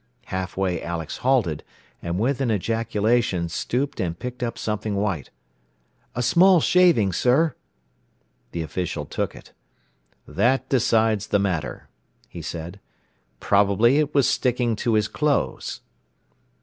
Half way Alex halted, and with an ejaculation stooped and picked up something white. "A small shaving, sir!" The official took it. "That decides the matter," he said. "Probably it was sticking to his clothes."